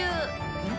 うん？